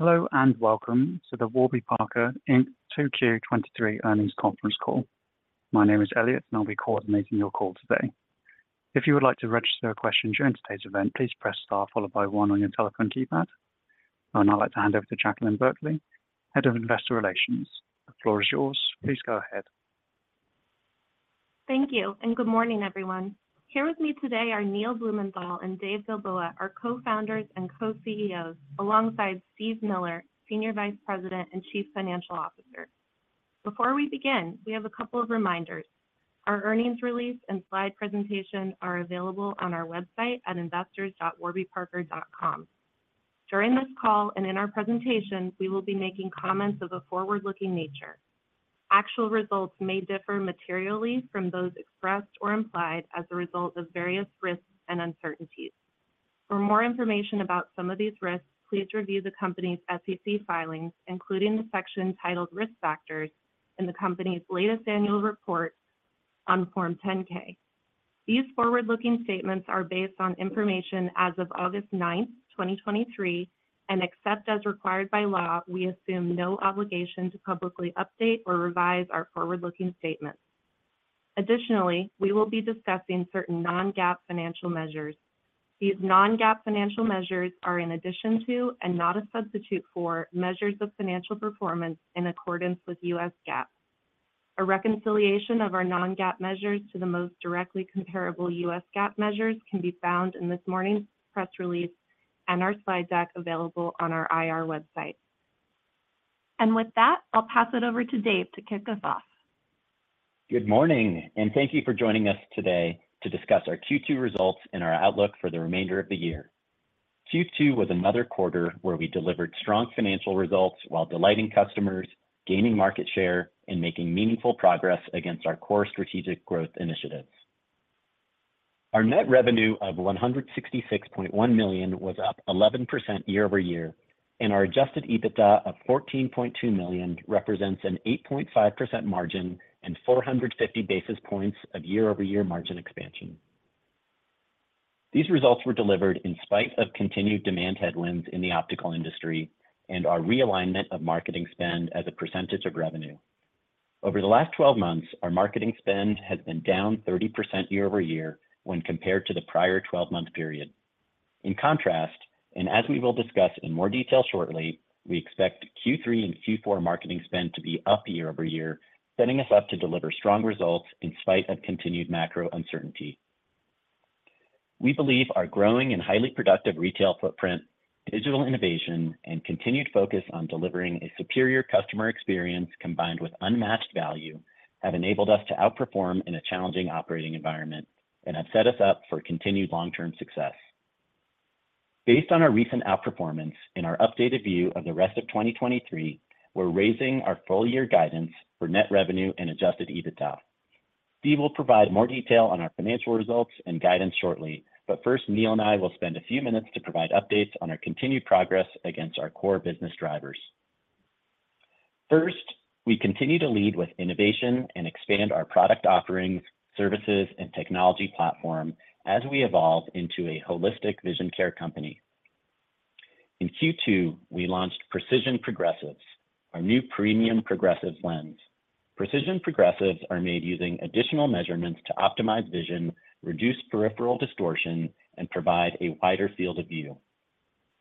Hello, and welcome to the Warby Parker, Inc. 2Q 2023 Earnings Conference Call. My name is Elliot, and I'll be coordinating your call today. If you would like to register a question during today's event, please press Star followed by One on your telephone keypad. I would now like to hand over to Jaclyn Berkley, Head of Investor Relations. The floor is yours. Please go ahead. Thank you. Good morning, everyone. Here with me today are Neil Blumenthal and Dave Gilboa, our co-founders and co-CEOs, alongside Steve Miller, Senior Vice President and Chief Financial Officer. Before we begin, we have a couple of reminders. Our earnings release and slide presentation are available on our website at investors.warbyparker.com. During this call and in our presentations, we will be making comments of a forward-looking nature. Actual results may differ materially from those expressed or implied as a result of various risks and uncertainties. For more information about some of these risks, please review the company's SEC filings, including the section titled "Risk Factors" in the company's latest annual report on Form 10-K. These forward-looking statements are based on information as of August 9th, 2023, and except as required by law, we assume no obligation to publicly update or revise our forward-looking statements. Additionally, we will be discussing certain non-GAAP financial measures. These non-GAAP financial measures are in addition to, and not a substitute for, measures of financial performance in accordance with U.S. GAAP. A reconciliation of our non-GAAP measures to the most directly comparable U.S. GAAP measures can be found in this morning's press release and our slide deck available on our IR website. With that, I'll pass it over to Dave to kick us off. Good morning, thank you for joining us today to discuss our Q2 results and our outlook for the remainder of the year. Q2 was another quarter where we delivered strong financial results while delighting customers, gaining market share, and making meaningful progress against our core strategic growth initiatives. Our net revenue of $166.1 million was up 11% year-over-year, and our Adjusted EBITDA of $14.2 million represents an 8.5% margin and 450 basis points of year-over-year margin expansion. These results were delivered in spite of continued demand headwinds in the optical industry and our realignment of marketing spend as a percentage of revenue. Over the last 12 months, our marketing spend has been down 30% year-over-year when compared to the prior 12-month period. In contrast, as we will discuss in more detail shortly, we expect Q3 and Q4 marketing spend to be up year-over-year, setting us up to deliver strong results in spite of continued macro uncertainty. We believe our growing and highly productive retail footprint, digital innovation, and continued focus on delivering a superior customer experience, combined with unmatched value, have enabled us to outperform in a challenging operating environment and have set us up for continued long-term success. Based on our recent outperformance and our updated view of the rest of 2023, we're raising our full-year guidance for net revenue and Adjusted EBITDA. Steve will provide more detail on our financial results and guidance shortly, first, Neil and I will spend a few minutes to provide updates on our continued progress against our core business drivers. First, we continue to lead with innovation and expand our product offerings, services, and technology platform as we evolve into a holistic vision care company. In Q2, we launched Precision Progressives, our new premium progressive lens. Precision Progressives are made using additional measurements to optimize vision, reduce peripheral distortion, and provide a wider field of view.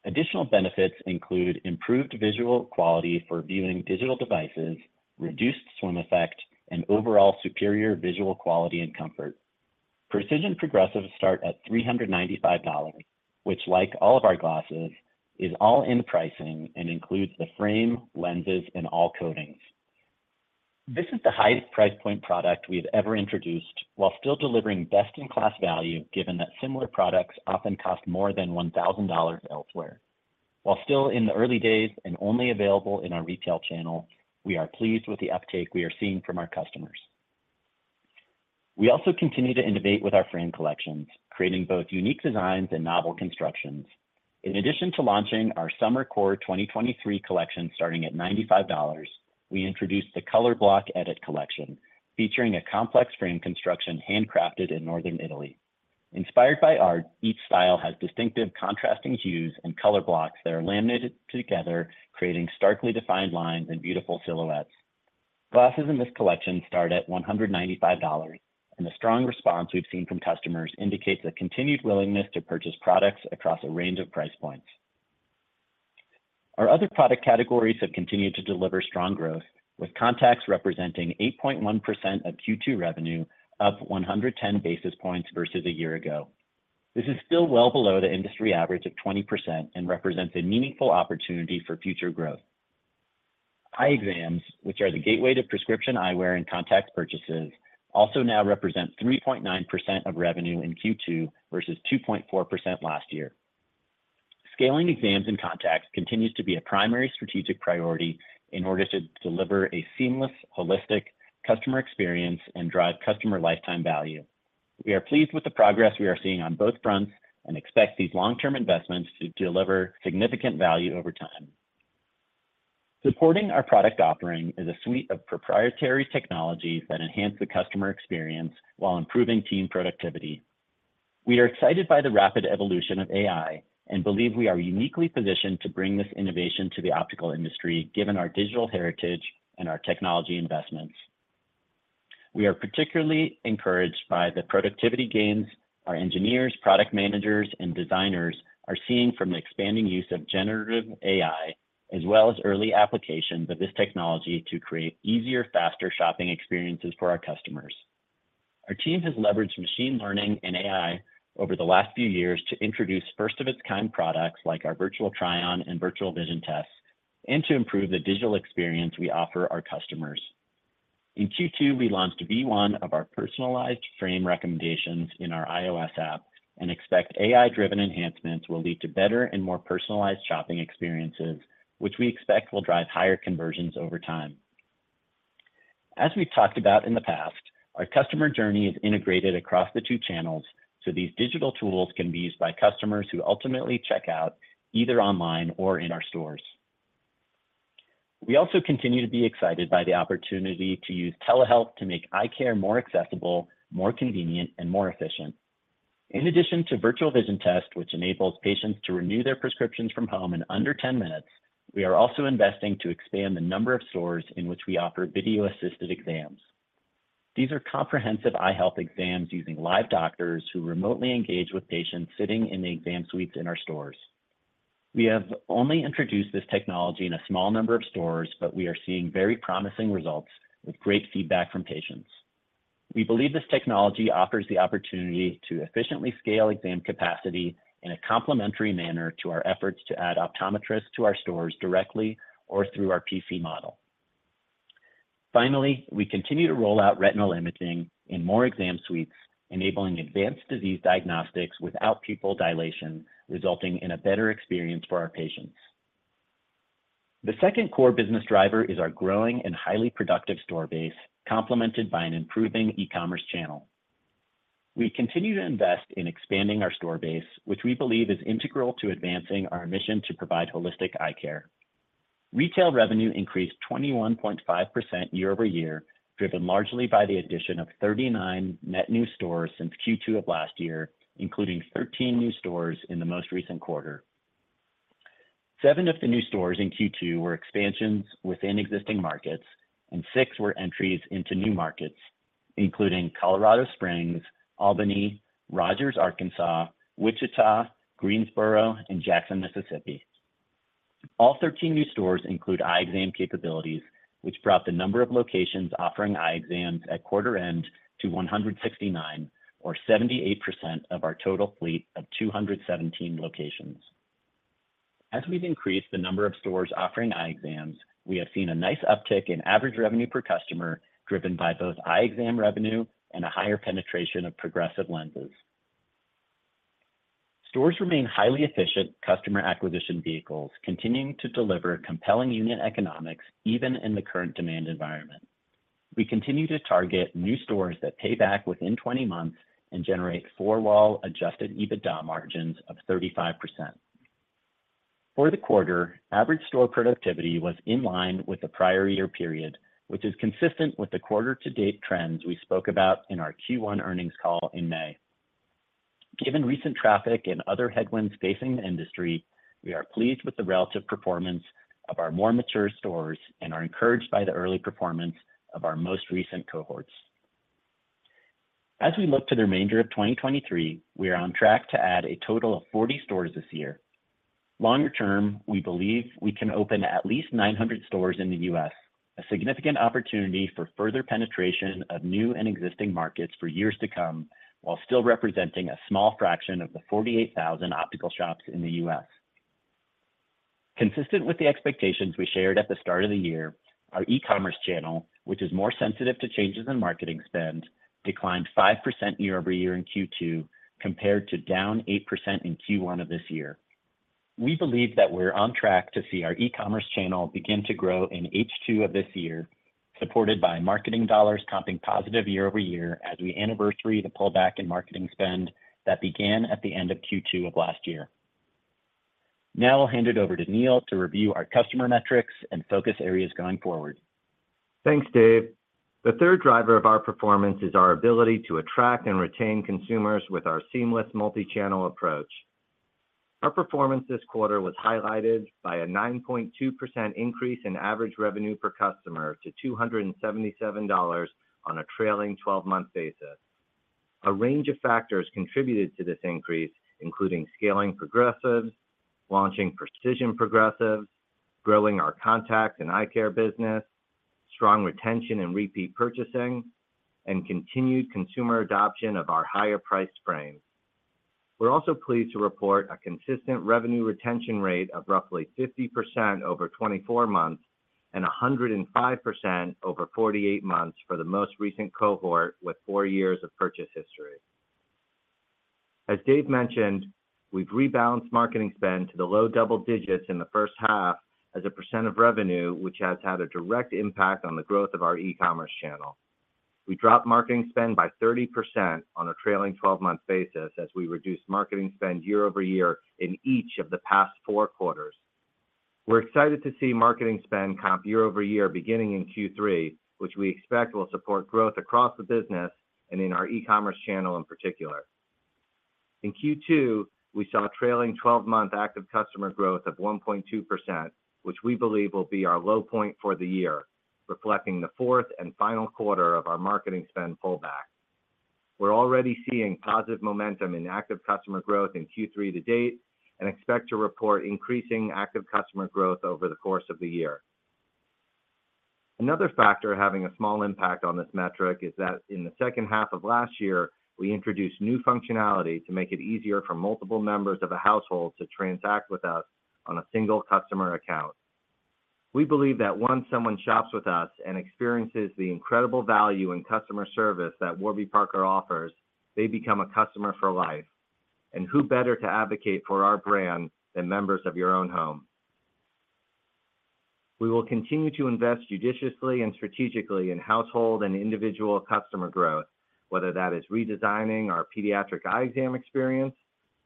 Additional benefits include improved visual quality for viewing digital devices, reduced swim effect, and overall superior visual quality and comfort. Precision Progressives start at $395, which, like all of our glasses, is all-in pricing and includes the frame, lenses, and all coatings. This is the highest price point product we've ever introduced while still delivering best-in-class value, given that similar products often cost more than $1,000 elsewhere. While still in the early days and only available in our retail channel, we are pleased with the uptake we are seeing from our customers. We also continue to innovate with our frame collections, creating both unique designs and novel constructions. In addition to launching our Summer Core 2023 collection, starting at $95, we introduced the Color Block Edit collection, featuring a complex frame construction handcrafted in northern Italy. Inspired by art, each style has distinctive contrasting hues and color blocks that are laminated together, creating starkly defined lines and beautiful silhouettes. Glasses in this collection start at $195, the strong response we've seen from customers indicates a continued willingness to purchase products across a range of price points. Our other product categories have continued to deliver strong growth, with contacts representing 8.1% of Q2 revenue, up 110 basis points versus a year ago. This is still well below the industry average of 20% and represents a meaningful opportunity for future growth. Eye exams, which are the gateway to prescription eyewear and contact purchases, also now represent 3.9% of revenue in Q2 versus 2.4% last year. Scaling exams and contacts continues to be a primary strategic priority in order to deliver a seamless, holistic customer experience and drive customer lifetime value. We are pleased with the progress we are seeing on both fronts and expect these long-term investments to deliver significant value over time. Supporting our product offering is a suite of proprietary technologies that enhance the customer experience while improving team productivity. We are excited by the rapid evolution of AI, believe we are uniquely positioned to bring this innovation to the optical industry, given our digital heritage and our technology investments. We are particularly encouraged by the productivity gains our engineers, product managers, and designers are seeing from the expanding use of generative AI, as well as early applications of this technology to create easier, faster shopping experiences for our customers. Our team has leveraged machine learning and AI over the last few years to introduce first-of-its-kind products, like our Virtual Try-On and Virtual Vision Test, to improve the digital experience we offer our customers. In Q2, we launched V1 of our personalized frame recommendations in our iOS app, expect AI-driven enhancements will lead to better and more personalized shopping experiences, which we expect will drive higher conversions over time. As we've talked about in the past, our customer journey is integrated across the two channels, so these digital tools can be used by customers who ultimately check out either online or in our stores. We also continue to be excited by the opportunity to use telehealth to make eye care more accessible, more convenient, and more efficient. In addition to Virtual Vision Test, which enables patients to renew their prescriptions from home in under 10 minutes, we are also investing to expand the number of stores in which we offer video-assisted exams. These are comprehensive eye health exams using live doctors who remotely engage with patients sitting in the exam suites in our stores. We have only introduced this technology in a small number of stores, but we are seeing very promising results with great feedback from patients. We believe this technology offers the opportunity to efficiently scale exam capacity in a complementary manner to our efforts to add optometrists to our stores directly or through our PC model. We continue to roll out retinal imaging in more exam suites, enabling advanced disease diagnostics without pupil dilation, resulting in a better experience for our patients. The second core business driver is our growing and highly productive store base, complemented by an improving e-commerce channel. We continue to invest in expanding our store base, which we believe is integral to advancing our mission to provide holistic eye care. Retail revenue increased 21.5% year-over-year, driven largely by the addition of 39 net new stores since Q2 of last year, including 13 new stores in the most recent quarter. Seven of the new stores in Q2 were expansions within existing markets, and six were entries into new markets, including Colorado Springs, Albany, Rogers, Arkansas, Wichita, Greensboro, and Jackson, Mississippi. All 13 new stores include eye exam capabilities, which brought the number of locations offering eye exams at quarter end to 169, or 78% of our total fleet of 217 locations. As we've increased the number of stores offering eye exams, we have seen a nice uptick in average revenue per customer, driven by both eye exam revenue and a higher penetration of progressive lenses. Stores remain highly efficient customer acquisition vehicles, continuing to deliver compelling unit economics even in the current demand environment. We continue to target new stores that pay back within 20 months and generate four-wall Adjusted EBITDA margins of 35%. For the quarter, average store productivity was in line with the prior year period, which is consistent with the quarter-to-date trends we spoke about in our Q1 earnings call in May. Given recent traffic and other headwinds facing the industry, we are pleased with the relative performance of our more mature stores and are encouraged by the early performance of our most recent cohorts. As we look to the remainder of 2023, we are on track to add a total of 40 stores this year. Longer term, we believe we can open at least 900 stores in the U.S., a significant opportunity for further penetration of new and existing markets for years to come, while still representing a small fraction of the 48,000 optical shops in the U.S. Consistent with the expectations we shared at the start of the year, our e-commerce channel, which is more sensitive to changes in marketing spend, declined 5% year-over-year in Q2, compared to down 8% in Q1 of this year. We believe that we're on track to see our e-commerce channel begin to grow in H2 of this year, supported by marketing dollars comping positive year-over-year as we anniversary the pullback in marketing spend that began at the end of Q2 of last year. Now I'll hand it over to Neil to review our customer metrics and focus areas going forward. Thanks, Dave. The third driver of our performance is our ability to attract and retain consumers with our seamless multi-channel approach. Our performance this quarter was highlighted by a 9.2% increase in average revenue per customer to $277 on a trailing 12-month basis. A range of factors contributed to this increase, including scaling progressives, launching Precision Progressives, growing our contact and eye care business, strong retention and repeat purchasing, and continued consumer adoption of our higher priced frames. We're also pleased to report a consistent revenue retention rate of roughly 50% over 24 months and 105% over 48 months for the most recent cohort with four years of purchase history. As Dave mentioned, we've rebalanced marketing spend to the low double digits in the first half as a percent of revenue, which has had a direct impact on the growth of our e-commerce channel. We dropped marketing spend by 30% on a trailing twelve-month basis as we reduced marketing spend year-over-year in each of the past four quarters. We're excited to see marketing spend comp year-over-year beginning in Q3, which we expect will support growth across the business and in our e-commerce channel in particular. In Q2, we saw a trailing twelve-month active customer growth of 1.2%, which we believe will be our low point for the year, reflecting the fourth and final quarter of our marketing spend pullback. We're already seeing positive momentum in active customer growth in Q3 to date and expect to report increasing active customer growth over the course of the year. Another factor having a small impact on this metric is that in the second half of last year, we introduced new functionality to make it easier for multiple members of a household to transact with us on a single customer account. We believe that once someone shops with us and experiences the incredible value and customer service that Warby Parker offers, they become a customer for life. Who better to advocate for our brand than members of your own home? We will continue to invest judiciously and strategically in household and individual customer growth, whether that is redesigning our pediatric eye exam experience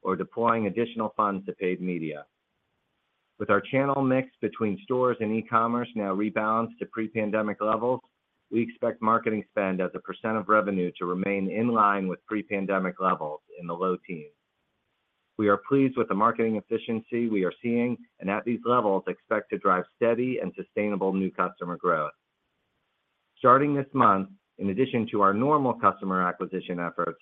or deploying additional funds to paid media. With our channel mix between stores and e-commerce now rebalanced to pre-pandemic levels, we expect marketing spend as a percent of revenue to remain in line with pre-pandemic levels in the low teens. We are pleased with the marketing efficiency we are seeing, and at these levels, expect to drive steady and sustainable new customer growth. Starting this month, in addition to our normal customer acquisition efforts,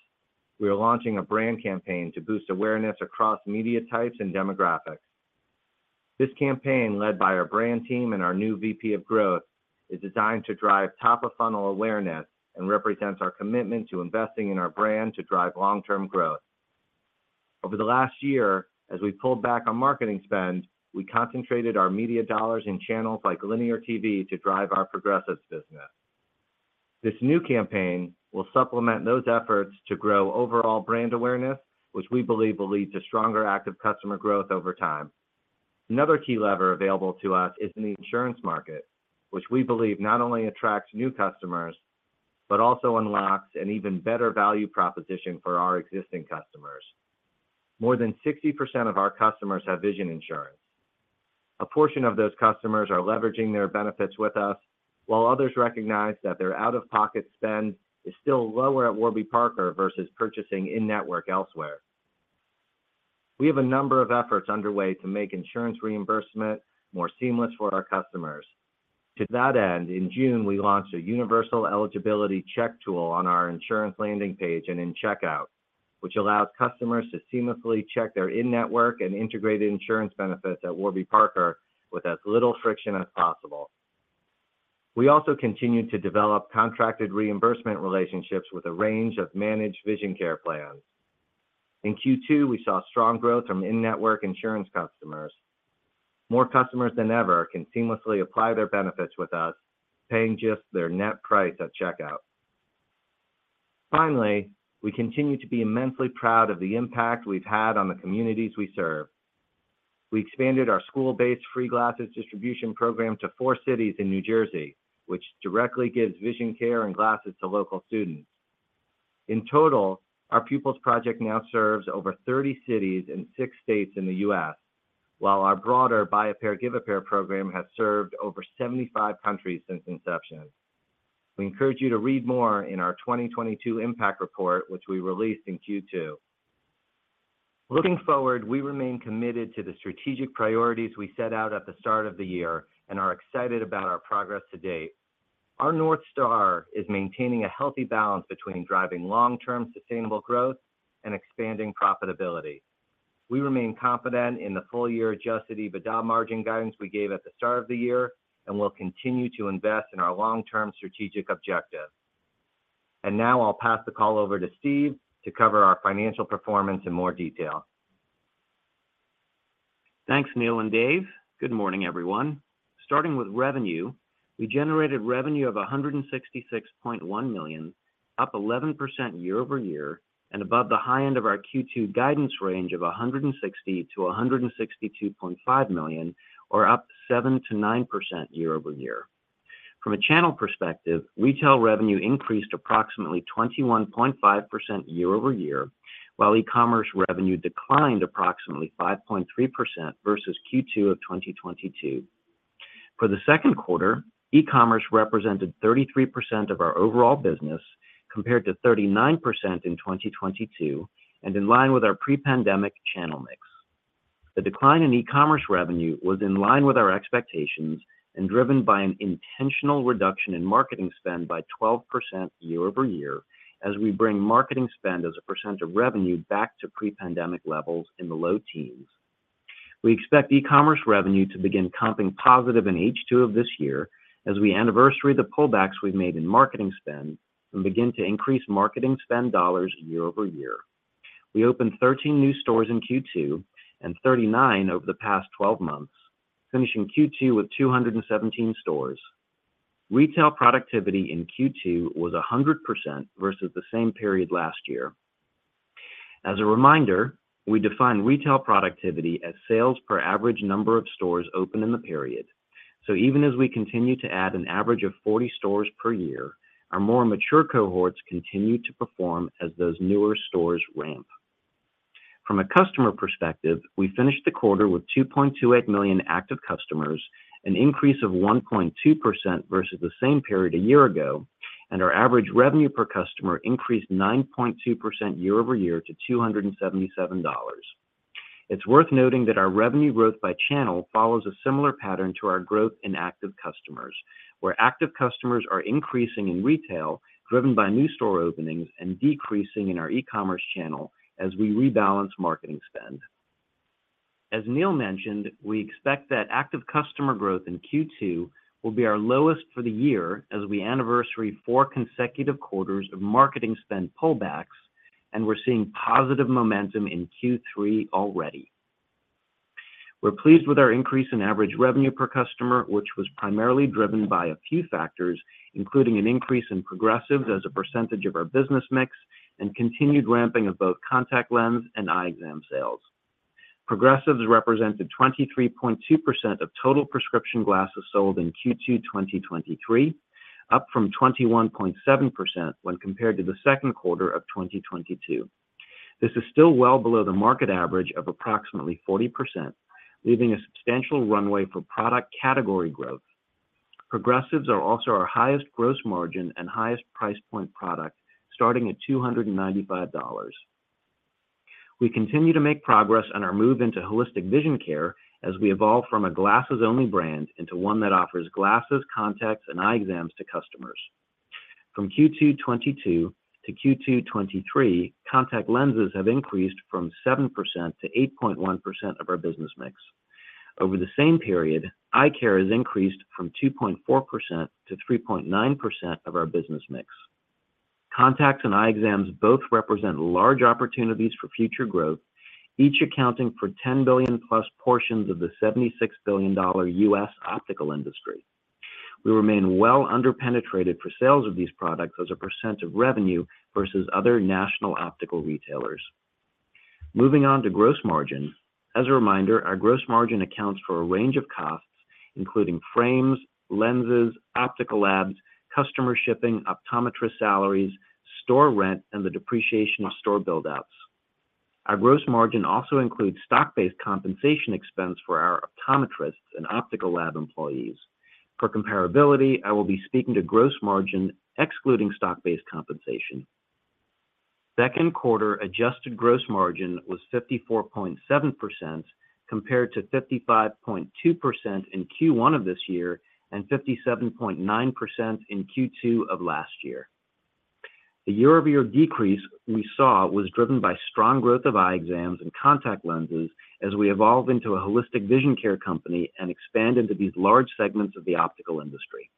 we are launching a brand campaign to boost awareness across media types and demographics. This campaign, led by our brand team and our new VP of Growth, is designed to drive top-of-funnel awareness and represents our commitment to investing in our brand to drive long-term growth. Over the last year, as we pulled back on marketing spend, we concentrated our media dollars in channels like linear TV to drive our progressive business. This new campaign will supplement those efforts to grow overall brand awareness, which we believe will lead to stronger active customer growth over time. Another key lever available to us is in the insurance market, which we believe not only attracts new customers, but also unlocks an even better value proposition for our existing customers. More than 60% of our customers have vision insurance. A portion of those customers are leveraging their benefits with us, while others recognize that their out-of-pocket spend is still lower at Warby Parker versus purchasing in-network elsewhere. We have a number of efforts underway to make insurance reimbursement more seamless for our customers. To that end, in June, we launched a universal eligibility check tool on our insurance landing page and in checkout, which allows customers to seamlessly check their in-network and integrated insurance benefits at Warby Parker with as little friction as possible. We also continued to develop contracted reimbursement relationships with a range of managed vision care plans. In Q2, we saw strong growth from in-network insurance customers. More customers than ever can seamlessly apply their benefits with us, paying just their net price at checkout. We continue to be immensely proud of the impact we've had on the communities we serve. We expanded our school-based free glasses distribution program to four cities in New Jersey, which directly gives vision care and glasses to local students. In total, our Pupils Project now serves over 30 cities in six states in the U.S., while our broader Buy a Pair, Give a Pair program has served over 75 countries since inception. We encourage you to read more in our 2022 Impact Report, which we released in Q2. Looking forward, we remain committed to the strategic priorities we set out at the start of the year and are excited about our progress to date. Our North Star is maintaining a healthy balance between driving long-term sustainable growth and expanding profitability. We remain confident in the full year Adjusted EBITDA margin guidance we gave at the start of the year, and will continue to invest in our long-term strategic objectives. Now I'll pass the call over to Steve to cover our financial performance in more detail. Thanks, Neil and Dave. Good morning, everyone. Starting with revenue, we generated revenue of $166.1 million, up 11% year-over-year, above the high end of our Q2 guidance range of $160 million-$162.5 million, or up 7%-9% year-over-year. From a channel perspective, retail revenue increased approximately 21.5% year-over-year, while e-commerce revenue declined approximately 5.3% versus Q2 of 2022. For the second quarter, e-commerce represented 33% of our overall business, compared to 39% in 2022, in line with our pre-pandemic channel mix. The decline in e-commerce revenue was in line with our expectations and driven by an intentional reduction in marketing spend by 12% year-over-year, as we bring marketing spend as a percent of revenue back to pre-pandemic levels in the low teens. We expect e-commerce revenue to begin comping positive in H2 of this year as we anniversary the pullbacks we've made in marketing spend and begin to increase marketing spend dollars year-over-year. We opened 13 new stores in Q2 and 39 over the past 12 months, finishing Q2 with 217 stores. Retail productivity in Q2 was 100% versus the same period last year. As a reminder, we define retail productivity as sales per average number of stores open in the period. Even as we continue to add an average of 40 stores per year, our more mature cohorts continue to perform as those newer stores ramp. From a customer perspective, we finished the quarter with 2.28 million active customers, an increase of 1.2% versus the same period a year ago, and our average revenue per customer increased 9.2% year-over-year to $277. It's worth noting that our revenue growth by channel follows a similar pattern to our growth in active customers, where active customers are increasing in retail, driven by new store openings, and decreasing in our e-commerce channel as we rebalance marketing spend. As Neil mentioned, we expect that active customer growth in Q2 will be our lowest for the year as we anniversary four consecutive quarters of marketing spend pullbacks, and we're seeing positive momentum in Q3 already. We're pleased with our increase in average revenue per customer, which was primarily driven by a few factors, including an increase in progressives as a percentage of our business mix and continued ramping of both contact lens and eye exam sales. Progressives represented 23.2% of total prescription glasses sold in Q2 2023, up from 21.7% when compared to the second quarter of 2022. This is still well below the market average of approximately 40%, leaving a substantial runway for product category growth. Progressives are also our highest gross margin and highest price point product, starting at $295. We continue to make progress on our move into holistic vision care as we evolve from a glasses-only brand into one that offers glasses, contacts, and eye exams to customers. From Q2 2022 to Q2 2023, contact lenses have increased from 7% to 8.1% of our business mix. Over the same period, eye care has increased from 2.4% to 3.9% of our business mix. Contacts and eye exams both represent large opportunities for future growth, each accounting for $10 billion+ portions of the $76 billion U.S. optical industry. We remain well underpenetrated for sales of these products as a percent of revenue versus other national optical retailers. Moving on to gross margin. As a reminder, our gross margin accounts for a range of costs, including frames, lenses, optical labs, customer shipping, optometrist salaries, store rent, and the depreciation of store buildouts. Our gross margin also includes stock-based compensation expense for our optometrists and optical lab employees. For comparability, I will be speaking to gross margin, excluding stock-based compensation. Second quarter adjusted gross margin was 54.7%, compared to 55.2% in Q1 of this year and 57.9% in Q2 of last year. The year-over-year decrease we saw was driven by strong growth of eye exams and contact lenses as we evolve into a holistic vision care company and expand into these large segments of the optical industry.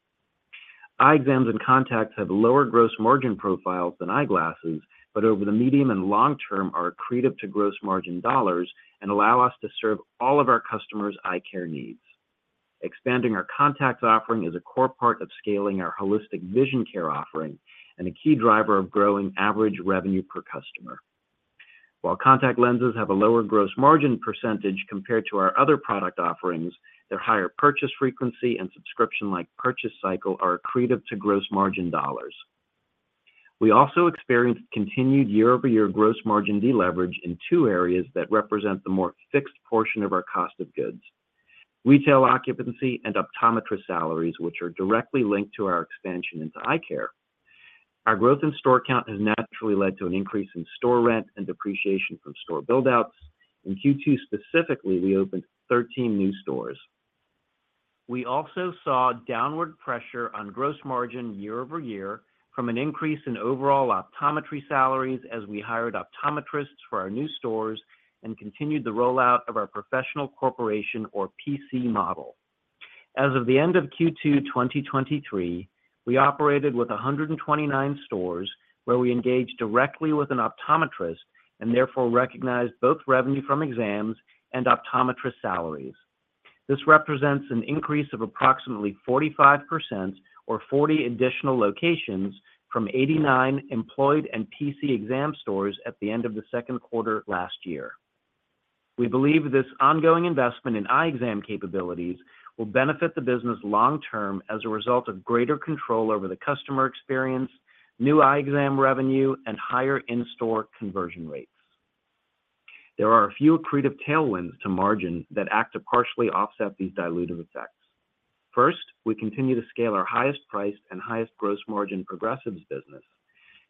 Eye exams and contacts have lower gross margin profiles than eyeglasses, but over the medium and long term, are accretive to gross margin dollars and allow us to serve all of our customers' eye care needs. Expanding our contacts offering is a core part of scaling our holistic vision care offering and a key driver of growing average revenue per customer. While contact lenses have a lower gross margin percentage compared to our other product offerings, their higher purchase frequency and subscription-like purchase cycle are accretive to gross margin dollars. We also experienced continued year-over-year gross margin deleverage in two areas that represent the more fixed portion of our cost of goods: retail occupancy and optometrist salaries, which are directly linked to our expansion into eye care. Our growth in store count has naturally led to an increase in store rent and depreciation from store buildouts. In Q2, specifically, we opened 13 new stores. We also saw downward pressure on gross margin year-over-year from an increase in overall optometry salaries as we hired optometrists for our new stores and continued the rollout of our professional corporation or PC model. As of the end of Q2 2023, we operated with 129 stores, where we engaged directly with an optometrist and therefore recognized both revenue from exams and optometrist salaries. This represents an increase of approximately 45% or 40 additional locations from 89 employed and PC exam stores at the end of the second quarter last year. We believe this ongoing investment in eye exam capabilities will benefit the business long term as a result of greater control over the customer experience, new eye exam revenue, and higher in-store conversion rates. There are a few accretive tailwinds to margin that act to partially offset these dilutive effects. First, we continue to scale our highest priced and highest gross margin progressives business.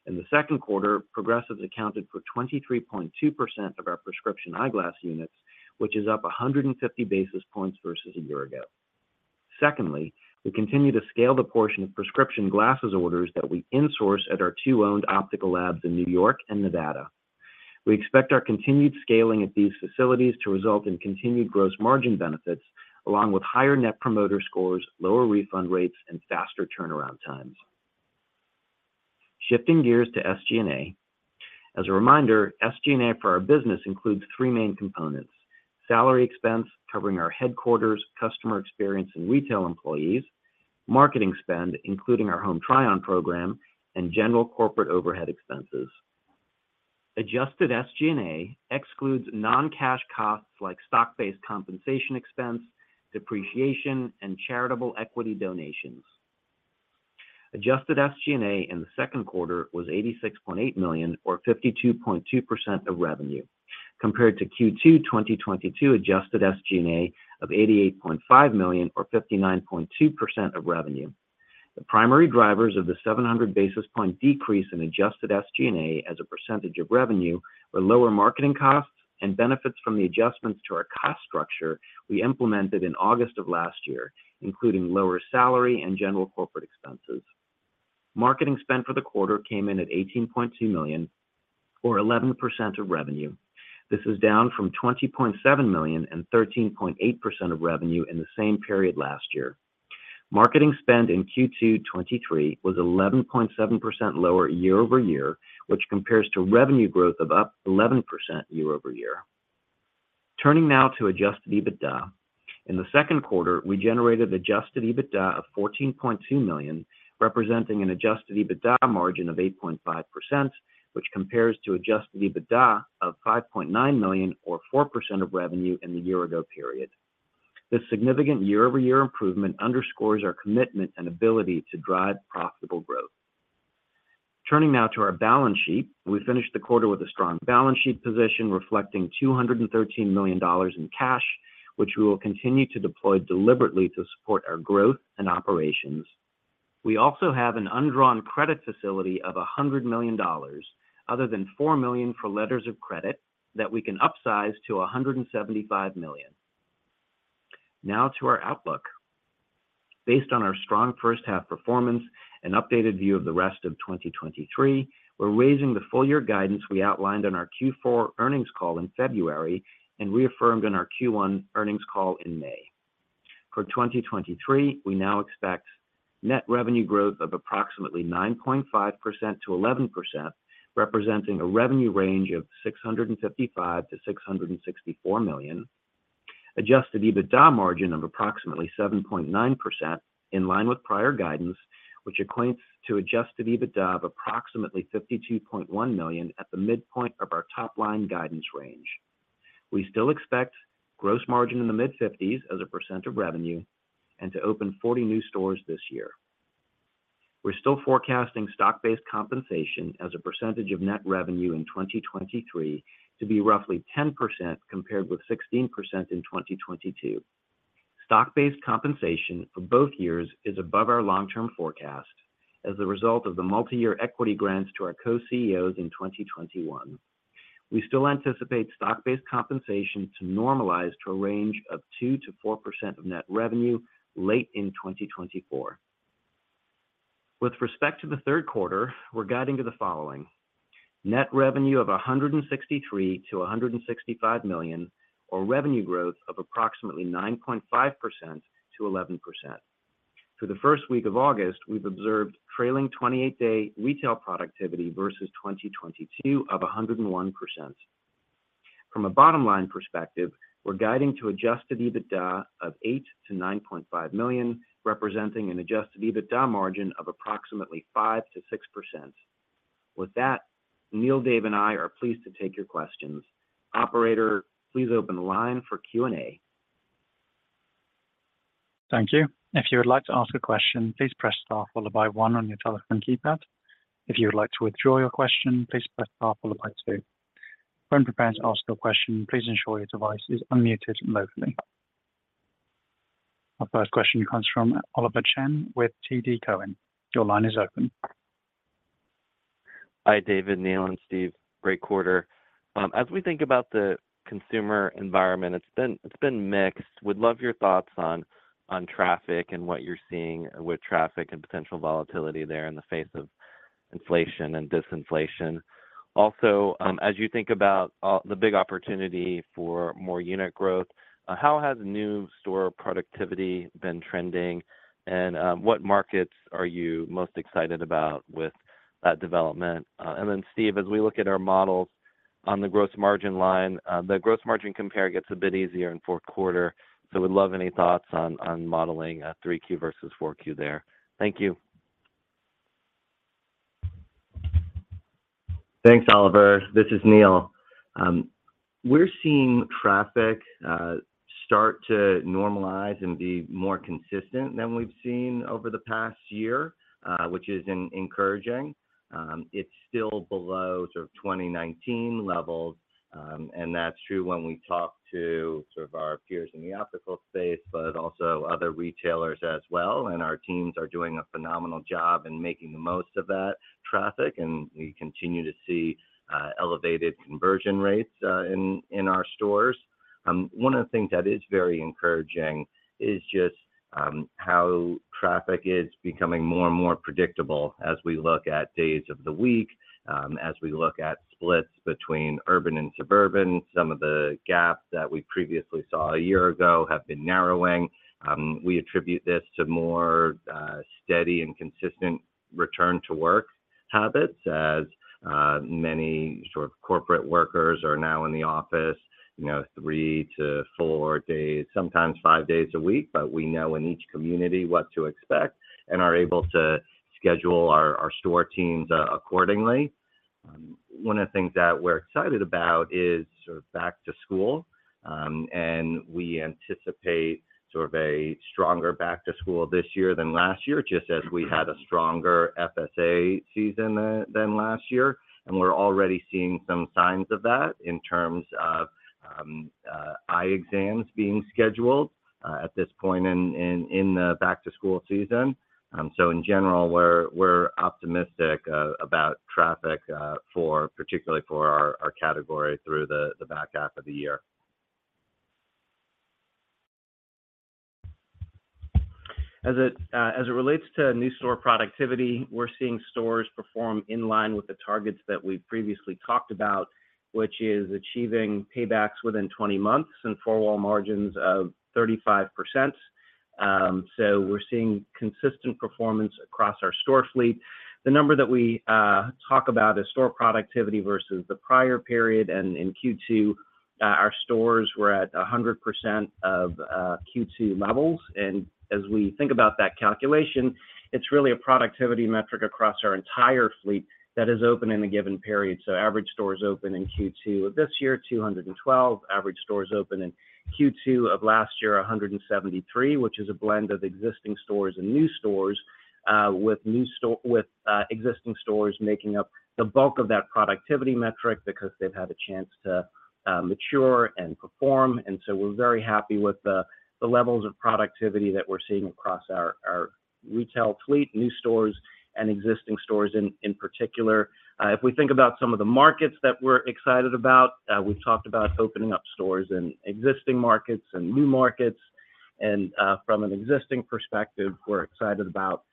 In the second quarter, progressives accounted for 23.2% of our prescription eyeglass units, which is up 150 basis points versus a year ago. Secondly, we continue to scale the portion of prescription glasses orders that we insource at our two owned optical labs in New York and Nevada. We expect our continued scaling at these facilities to result in continued gross margin benefits, along with higher net promoter scores, lower refund rates, and faster turnaround times. Shifting gears to SG&A. As a reminder, SG&A for our business includes three main components: salary expense, covering our headquarters, customer experience, and retail employees, marketing spend, including our Home Try-On program and general corporate overhead expenses. Adjusted SG&A excludes non-cash costs like stock-based compensation expense, depreciation, and charitable equity donations. Adjusted SG&A in the second quarter was $86.8 million, or 52.2% of revenue, compared to Q2 2022 adjusted SG&A of $88.5 million, or 59.2% of revenue. The primary drivers of the 700 basis point decrease in adjusted SG&A as a percentage of revenue, were lower marketing costs and benefits from the adjustments to our cost structure we implemented in August of last year, including lower salary and general corporate expenses. Marketing spend for the quarter came in at $18.2 million, or 11% of revenue. This is down from $20.7 million and 13.8% of revenue in the same period last year. Marketing spend in Q2 2023 was 11.7% lower year-over-year, which compares to revenue growth of up 11% year-over-year. Turning now to Adjusted EBITDA. In the second quarter, we generated Adjusted EBITDA of $14.2 million, representing an Adjusted EBITDA margin of 8.5%, which compares to Adjusted EBITDA of $5.9 million, or 4% of revenue in the year-ago period. This significant year-over-year improvement underscores our commitment and ability to drive profitable growth. Turning now to our balance sheet. We finished the quarter with a strong balance sheet position, reflecting $213 million in cash, which we will continue to deploy deliberately to support our growth and operations. We also have an undrawn credit facility of $100 million, other than $4 million for letters of credit, that we can upsize to $175 million. To our outlook. Based on our strong first half performance and updated view of the rest of 2023, we're raising the full year guidance we outlined on our Q4 earnings call in February, and reaffirmed in our Q1 earnings call in May. For 2023, we now expect net revenue growth of approximately 9.5%-11%, representing a revenue range of $655 million-$664 million. Adjusted EBITDA margin of approximately 7.9%, in line with prior guidance, which equates to Adjusted EBITDA of approximately $52.1 million at the midpoint of our top-line guidance range. We still expect gross margin in the mid-fifties as a percent of revenue, and to open 40 new stores this year. We're still forecasting stock-based compensation as a percent of net revenue in 2023 to be roughly 10%, compared with 16% in 2022. Stock-based compensation for both years is above our long-term forecast as a result of the multi-year equity grants to our co-CEOs in 2021. We still anticipate stock-based compensation to normalize to a range of 2%-4% of net revenue late in 2024. With respect to the third quarter, we're guiding to the following: net revenue of $163 million-$165 million, or revenue growth of approximately 9.5%-11%. Through the first week of August, we've observed trailing 28-day retail productivity versus 2022 of 101%. From a bottom line perspective, we're guiding to Adjusted EBITDA of $8 million-$9.5 million, representing an Adjusted EBITDA margin of approximately 5%-6%. With that, Neil, Dave, and I are pleased to take your questions. Operator, please open the line for Q&A. Thank you. If you would like to ask a question, please press star followed by one on your telephone keypad. If you would like to withdraw your question, please press star followed by two. When prepared to ask your question, please ensure your device is unmuted locally. Our first question comes from Oliver Chen with TD Cowen. Your line is open. Hi, David, Neil, and Steve. Great quarter. As we think about the consumer environment, it's been, it's been mixed. Would love your thoughts on, on traffic and what you're seeing with traffic and potential volatility there in the face of inflation and disinflation. Also, as you think about the big opportunity for more unit growth, how has new store productivity been trending? What markets are you most excited about with that development? Then Steve, as we look at our models on the gross margin line, the gross margin compare gets a bit easier in fourth quarter, so would love any thoughts on, on modeling, 3Q versus 4Q there. Thank you. Thanks, Oliver. This is Neil. We're seeing traffic start to normalize and be more consistent than we've seen over the past year, which is encouraging. It's still below sort of 2019 levels. That's true when we talk to sort of our peers in the optical space, but also other retailers as well. Our teams are doing a phenomenal job in making the most of that traffic, and we continue to see elevated conversion rates in our stores. One of the things that is very encouraging is just how traffic is becoming more and more predictable as we look at days of the week, as we look at splits between urban and suburban, some of the gaps that we previously saw a year ago have been narrowing. We attribute this to more steady and consistent return to work, habits, as many corporate workers are now in the office, you know, 3-4 days, sometimes five days a week. We know in each community what to expect and are able to schedule our store teams accordingly. One of the things that we're excited about is back to school, we anticipate a stronger back to school this year than last year, just as we had a stronger FSA season than last year. We're already seeing some signs of that in terms of eye exams being scheduled at this point in the back to school season. In general, we're, we're optimistic about traffic, for particularly for our, our category through the, the back half of the year. As it, as it relates to new store productivity, we're seeing stores perform in line with the targets that we previously talked about, which is achieving paybacks within 20 months and four-wall margins of 35%. We're seeing consistent performance across our store fleet. The number that we talk about is store productivity versus the prior period. In Q2, our stores were at 100% of Q2 levels. As we think about that calculation, it's really a productivity metric across our entire fleet that is open in a given period. Average stores open in Q2 of this year, 212. Average stores open in Q2 of last year, 173, which is a blend of existing stores and new stores, with existing stores making up the bulk of that productivity metric because they've had a chance to mature and perform. So we're very happy with the levels of productivity that we're seeing across our retail fleet, new stores, and existing stores in particular. If we think about some of the markets that we're excited about, we've talked about opening up stores in existing markets and new markets. From an existing perspective, we're excited about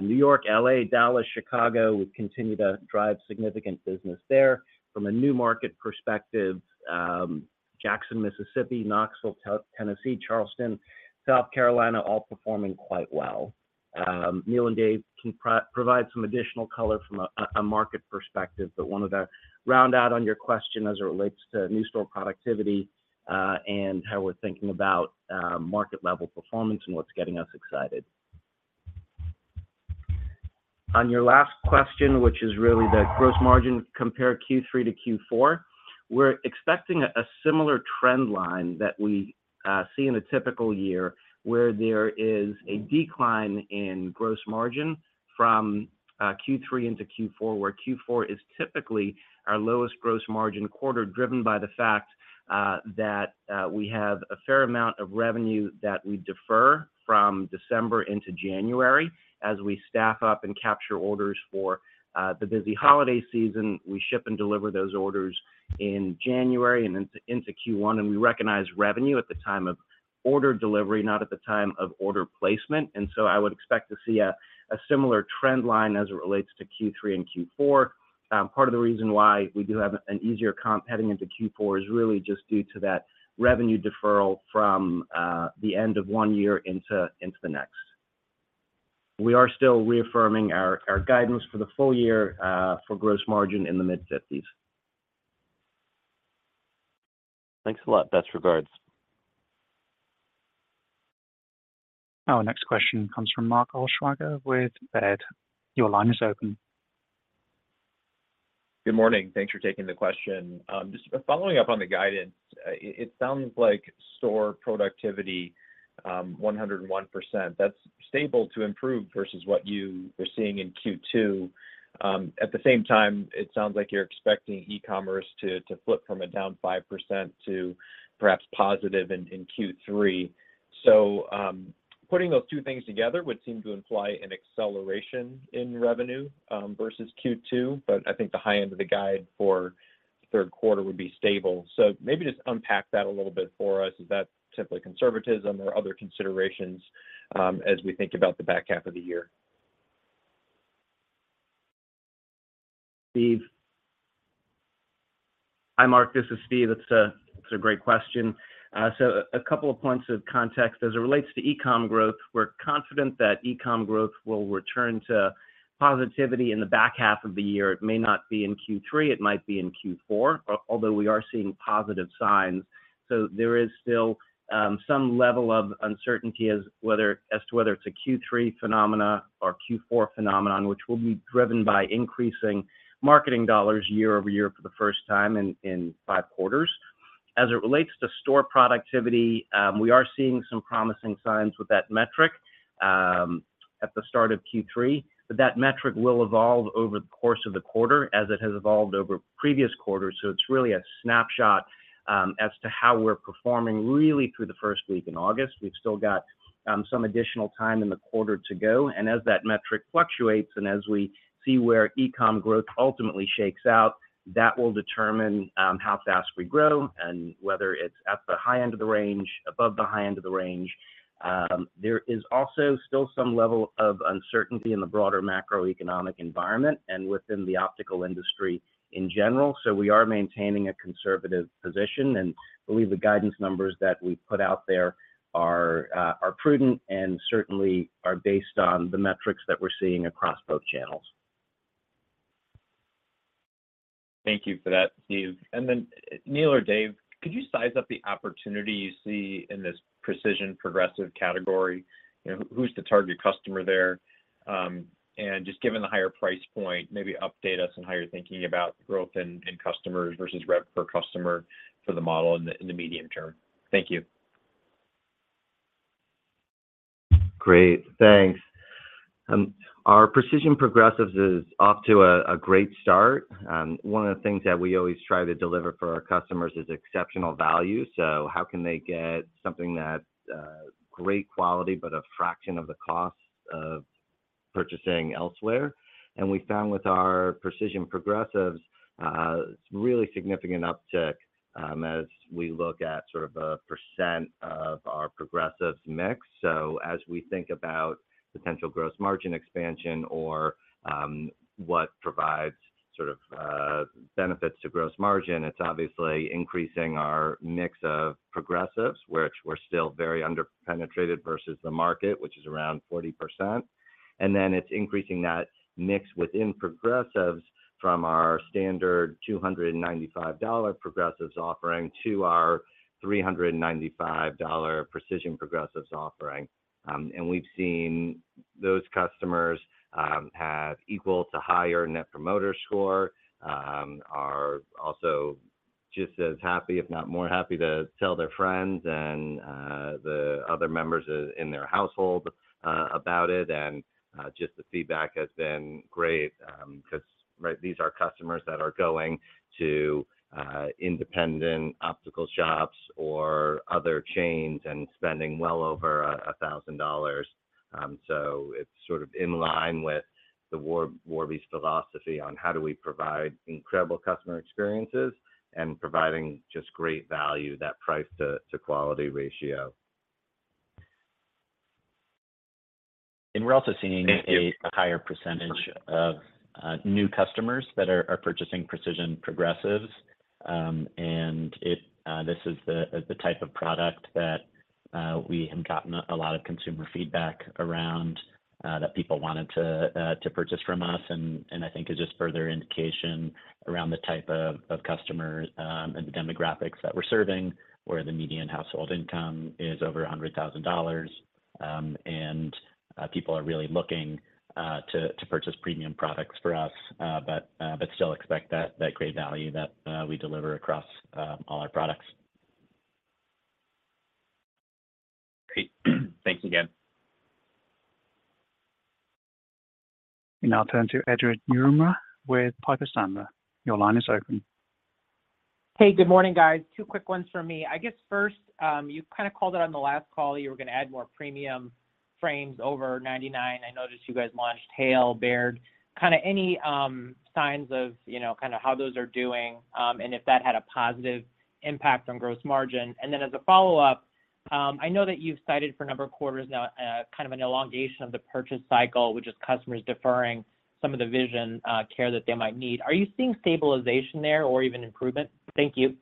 New York, L.A., Dallas, Chicago. We continue to drive significant business there. From a new market perspective, Jackson, Mississippi, Knoxville, Tennessee, Charleston, South Carolina, all performing quite well. Neil and Dave can provide some additional color from a market perspective, but wanted to round out on your question as it relates to new store productivity and how we're thinking about market-level performance and what's getting us excited. On your last question, which is really the gross margin, compare Q3 to Q4, we're expecting a similar trend line that we see in a typical year, where there is a decline in gross margin from Q3 into Q4, where Q4 is typically our lowest gross margin quarter, driven by the fact that we have a fair amount of revenue that we defer from December into January. As we staff up and capture orders for the busy holiday season, we ship and deliver those orders in January and into Q1. We recognize revenue at the time of order delivery, not at the time of order placement. I would expect to see a similar trend line as it relates to Q3 and Q4. Part of the reason why we do have an easier comp heading into Q4 is really just due to that revenue deferral from the end of one year into the next. We are still reaffirming our guidance for the full year for gross margin in the mid-50s. Thanks a lot. Best regards. Our next question comes from Mark Altschwager with Baird. Your line is open. Good morning. Thanks for taking the question. Just following up on the guidance, it sounds like store productivity, 101%, that's stable to improve versus what you were seeing in Q2. At the same time, it sounds like you're expecting e-commerce to flip from a down 5% to perhaps positive in Q3. Putting those two things together would seem to imply an acceleration in revenue versus Q2, but I think the high end of the guide for the third quarter would be stable. Maybe just unpack that a little bit for us. Is that simply conservatism or other considerations as we think about the back half of the year? Steve. Hi, Mark, this is Steve. It's a great question. A couple of points of context. As it relates to e-com growth, we're confident that e-com growth will return to positivity in the back half of the year. It may not be in Q3, it might be in Q4, although we are seeing positive signs. There is still some level of uncertainty as to whether it's a Q3 phenomena or Q4 phenomenon, which will be driven by increasing marketing dollars year-over-year for the first time in five quarters. As it relates to store productivity, we are seeing some promising signs with that metric at the start of Q3. That metric will evolve over the course of the quarter, as it has evolved over previous quarters, so it's really a snapshot as to how we're performing really through the first week in August. We've still got some additional time in the quarter to go. As that metric fluctuates and as we see where e-com growth ultimately shakes out, that will determine how fast we grow and whether it's at the high end of the range, above the high end of the range. There is also still some level of uncertainty in the broader macroeconomic environment and within the optical industry in general, so we are maintaining a conservative position. Believe the guidance numbers that we put out there are prudent and certainly are based on the metrics that we're seeing across both channels. Thank you for that, Steve. Then, Neil or Dave, could you size up the opportunity you see in this Precision Progressives category? You know, who, who's the target customer there? And just given the higher price point, maybe update us on how you're thinking about growth in, in customers versus rev per customer for the model in the, in the medium term. Thank you. Great. Thanks. Our Precision Progressives is off to a great start. One of the things that we always try to deliver for our customers is exceptional value. How can they get something that's great quality, but a fraction of the cost of purchasing elsewhere? We found with our Precision Progressives, it's really significant uptick as we look at sort of a percent of our progressives mix. As we think about potential gross margin expansion or what provides sort of benefits to gross margin, it's obviously increasing our mix of progressives, which we're still very under penetrated versus the market, which is around 40%. Then it's increasing that mix within progressives from our standard $295 progressives offering to our $395 Precision Progressives offering. We've seen those customers, have equal to higher Net Promoter Score, are also just as happy, if not more happy, to tell their friends and the other members in their household about it. Just the feedback has been great, because, right, these are customers that are going to independent optical shops or other chains and spending well over $1,000. It's sort of in line with Warby's philosophy on how do we provide incredible customer experiences and providing just great value, that price to, to quality ratio. And we're also seeing- Thank you.... a higher percentage of new customers that are, are purchasing Precision Progressives. It, this is the type of product that we have gotten a lot of consumer feedback around that people wanted to to purchase from us. I think is just further indication around the type of customers and demographics that we're serving, where the median household income is over $100,000. People are really looking to to purchase premium products for us, but but still expect that, that great value that we deliver across all our products. Great. Thanks again. We now turn to Edward Yruma with Piper Sandler. Your line is open. Hey, good morning, guys. Two quick ones for me. I guess first, you kind of called it on the last call, you were going to add more premium frames over 99. I noticed you guys launched Hale, Baird, kind of any signs of, you know, kind of how those are doing, and if that had a positive impact on gross margin? As a follow-up, I know that you've cited for a number of quarters now, kind of an elongation of the purchase cycle, which is customers deferring some of the vision care that they might need. Are you seeing stabilization there or even improvement? Thank you.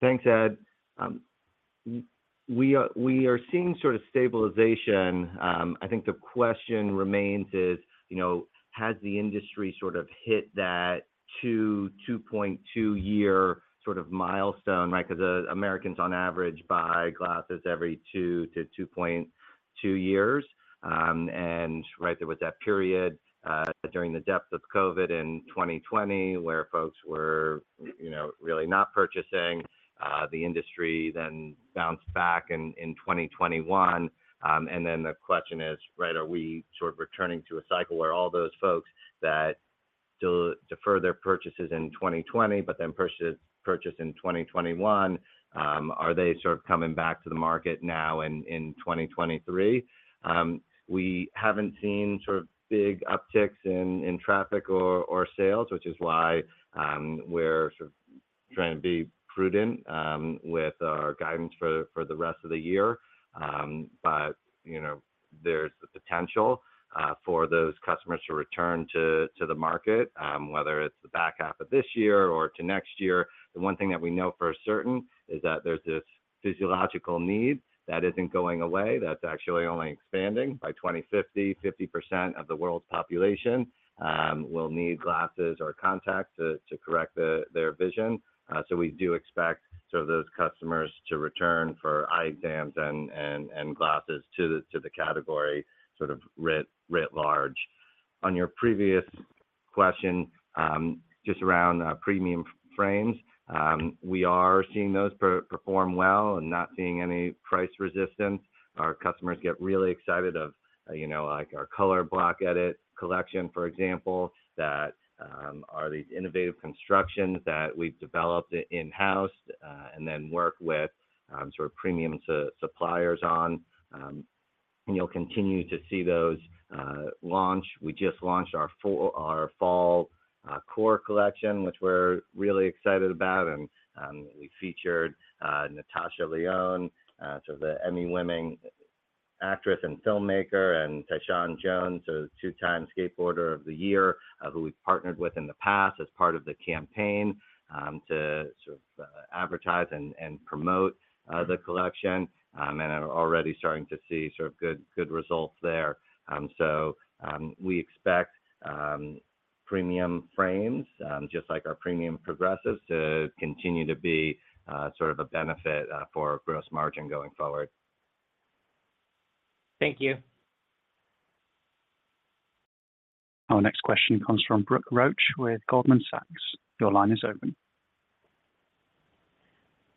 Thanks, Ed. We are, we are seeing sort of stabilization. I think the question remains is, you know, has the industry sort of hit that two, 2.2 year sort of milestone, right? Because Americans on average buy glasses every 2-2.2 years. Right there was that period during the depth of COVID in 2020, where folks were, you know, really not purchasing, the industry, then bounced back in 2021. Then the question is, right, are we sort of returning to a cycle where all those folks that defer their purchases in 2020, but then purchase in 2021, are they sort of coming back to the market now in 2023? We haven't seen sort of big upticks in, in traffic or, or sales, which is why we're sort of trying to be prudent with our guidance for the rest of the year. You know, there's the potential for those customers to return to the market, whether it's the back half of this year or to next year. The one thing that we know for certain is that there's this physiological need that isn't going away, that's actually only expanding. By 2050, 50% of the world's population will need glasses or contacts to correct their vision. We do expect sort of those customers to return for eye exams and glasses to the category, sort of writ, writ large. On your previous question, just around premium frames. We are seeing those per- perform well and not seeing any price resistance. Our customers get really excited of, you know, like our Color Block Edit collection, for example, that are these innovative constructions that we've developed in-house, and then work with sort of premium su- suppliers on. You'll continue to see those launch. We just launched our fall, our Fall Core collection, which we're really excited about, and we featured Natasha Lyonne, so the Emmy-winning actress and filmmaker, and Tyshawn Jones, a two-time skateboarder of the year, who we've partnered with in the past as part of the campaign, to sort of advertise and, and promote the collection. Are already starting to see sort of good, good results there. We expect premium frames, just like our premium progressives, to continue to be, sort of a benefit, for gross margin going forward. Thank you. Our next question comes from Brooke Roach with Goldman Sachs. Your line is open.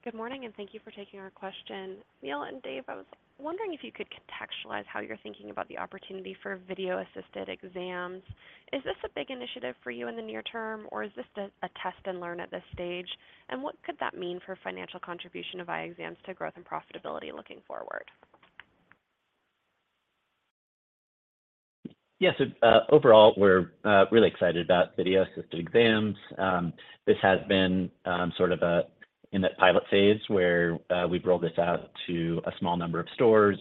Good morning, and thank you for taking our question. Neil and Dave, I was wondering if you could contextualize how you're thinking about the opportunity for video-assisted exams. Is this a big initiative for you in the near term, or is this a test and learn at this stage? What could that mean for financial contribution of eye exams to growth and profitability looking forward? Yes, overall, we're really excited about video-assisted exams. This has been sort of a, in the pilot phase, where we've rolled this out to a small number of stores,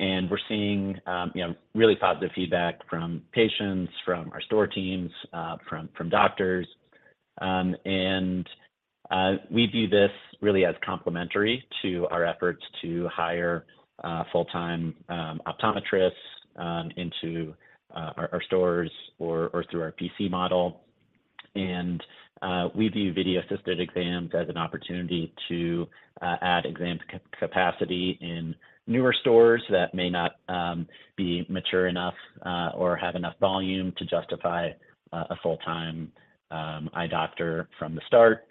and we're seeing, you know, really positive feedback from patients, from our store teams, from, from doctors. We view this really as complementary to our efforts to hire full-time optometrists into our stores or through our PC model. We view video-assisted exams as an opportunity to add exam capacity in newer stores that may not be mature enough or have enough volume to justify a full-time eye doctor from the start.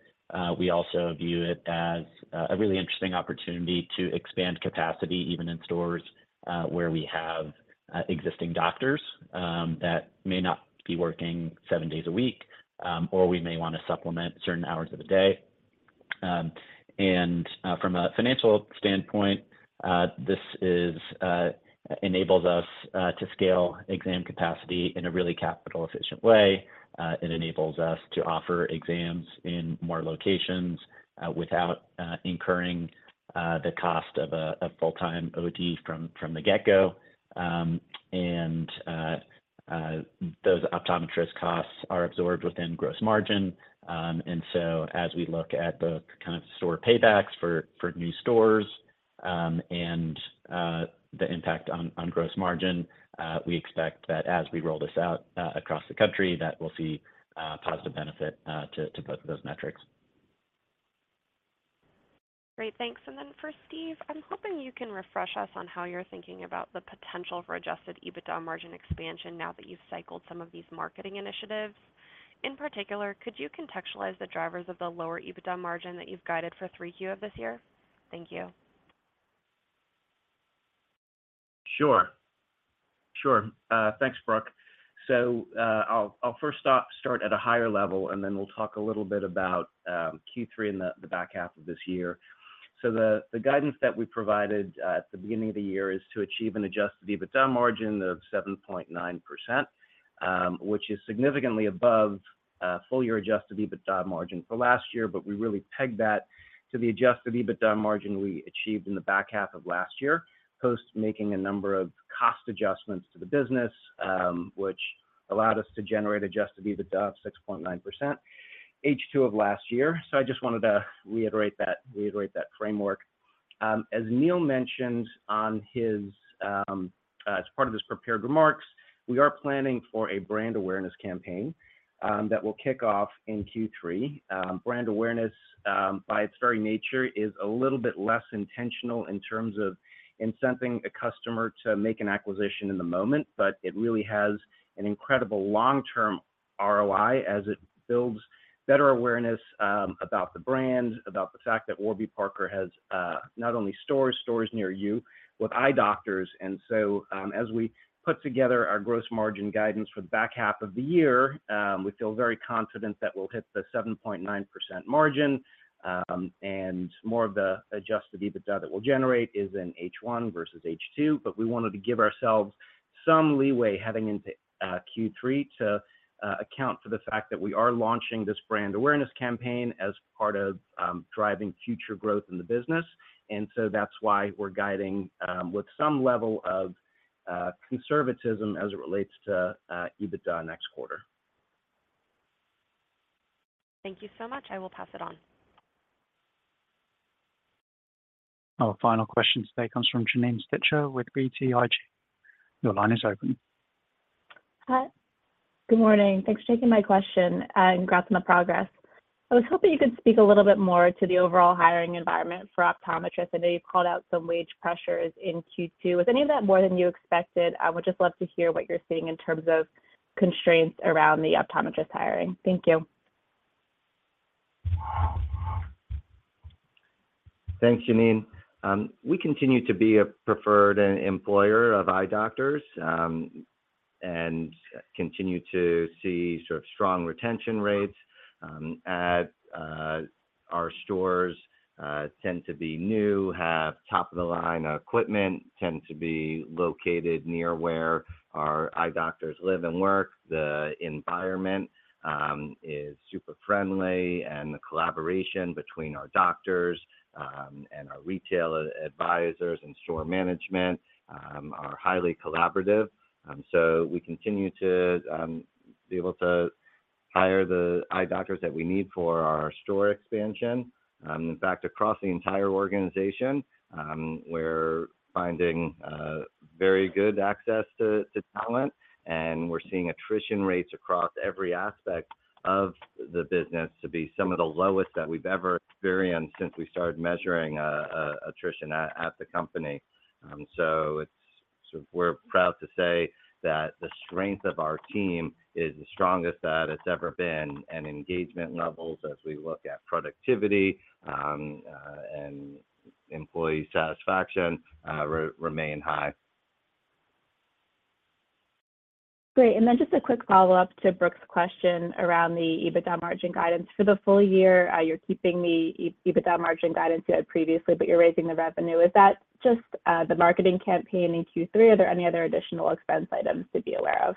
We also view it as a really interesting opportunity to expand capacity, even in stores, where we have existing doctors, that may not be working seven days a week, or we may wanna supplement certain hours of the day. From a financial standpoint, this enables us to scale exam capacity in a really capital-efficient way. It enables us to offer exams in more locations, without incurring the cost of a full-time OD from the get-go. Those optometrist costs are absorbed within gross margin. As we look at the kind of store paybacks for new stores, and the impact on gross margin, we expect that as we roll this out across the country, that we'll see positive benefit to both of those metrics. Great, thanks. Then for Steve, I'm hoping you can refresh us on how you're thinking about the potential for Adjusted EBITDA margin expansion now that you've cycled some of these marketing initiatives. In particular, could you contextualize the drivers of the lower EBITDA margin that you've guided for 3Q of this year? Thank you. Sure. Sure. Thanks, Brooke. I'll, I'll first off start at a higher level, and then we'll talk a little bit about Q3 and the, the back half of this year. The, the guidance that we provided at the beginning of the year is to achieve an Adjusted EBITDA margin of 7.9%, which is significantly above full year Adjusted EBITDA margin for last year. We really pegged that to the Adjusted EBITDA margin we achieved in the back half of last year, post making a number of cost adjustments to the business, which allowed us to generate Adjusted EBITDA of 6.9%, H2 of last year. I just wanted to reiterate that, reiterate that framework. As Neil mentioned on his, as part of his prepared remarks, we are planning for a brand awareness campaign that will kick off in Q3. Brand awareness, by its very nature, is a little bit less intentional in terms of incenting a customer to make an acquisition in the moment, but it really has an incredible long-term ROI as it builds better awareness about the brand, about the fact that Warby Parker has not only stores, stores near you, with eye doctors. As we put together our gross margin guidance for the back half of the year, we feel very confident that we'll hit the 7.9% margin. More of the Adjusted EBITDA that we'll generate is in H1 versus H2, but we wanted to give ourselves some leeway heading into Q3 to account for the fact that we are launching this brand awareness campaign as part of driving future growth in the business. That's why we're guiding with some level of conservatism as it relates to EBITDA next quarter. Thank you so much. I will pass it on. Our final question today comes from Janine Stichter with BTIG. Your line is open. Hi. Good morning. Thanks for taking my question, and congrats on the progress. I was hoping you could speak a little bit more to the overall hiring environment for optometrists. I know you've called out some wage pressures in Q2. Was any of that more than you expected? I would just love to hear what you're seeing in terms of constraints around the optometrist hiring. Thank you. Thanks, Janine. We continue to be a preferred and employer of eye doctors and continue to see sort of strong retention rates at. Our stores tend to be new, have top-of-the-line equipment, tend to be located near where our eye doctors live and work. The environment is super friendly, and the collaboration between our doctors and our retail advisors and store management are highly collaborative. We continue to be able to hire the eye doctors that we need for our store expansion. In fact, across the entire organization, we're finding very good access to, to talent, and we're seeing attrition rates across every aspect of the business to be some of the lowest that we've ever experienced since we started measuring attrition at the company. We're proud to say that the strength of our team is the strongest that it's ever been, and engagement levels, as we look at productivity, and employee satisfaction, remain high. Great. Just a quick follow-up to Brooke's question around the EBITDA margin guidance. For the full year, you're keeping the EBITDA margin guidance you had previously, but you're raising the revenue. Is that just the marketing campaign in Q3, or are there any other additional expense items to be aware of?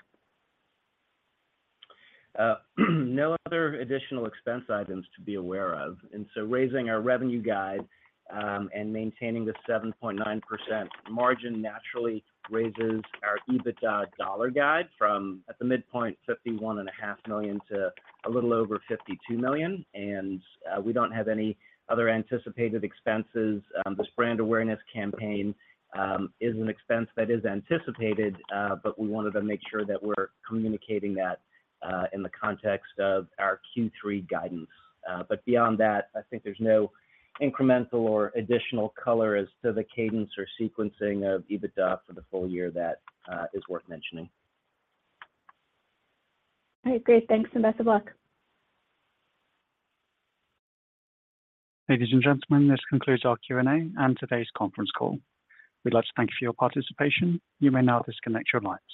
No other additional expense items to be aware of. Raising our revenue guide, and maintaining the 7.9% margin naturally raises our EBITDA dollar guide from, at the midpoint, $51.5 million to a little over $52 million. We don't have any other anticipated expenses. This brand awareness campaign is an expense that is anticipated, but we wanted to make sure that we're communicating that in the context of our Q3 guidance. Beyond that, I think there's no incremental or additional color as to the cadence or sequencing of EBITDA for the full year that is worth mentioning. All right, great. Thanks. Best of luck. Ladies and gentlemen, this concludes our Q&A and today's conference call. We'd like to thank you for your participation. You may now disconnect your lines.